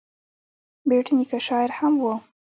بېټ نیکه شاعر هم و.